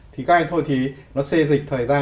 thì gai thôi thì nó xê dịch thời gian